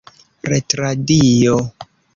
retradio